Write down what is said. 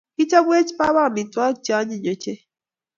Kichopwech baba amitwogik cheonyiny ochei